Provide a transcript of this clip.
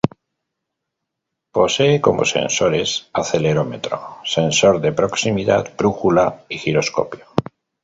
Posee como sensores acelerómetro, sensor de proximidad, brújula y giroscopio.